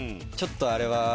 ちょっとあれは。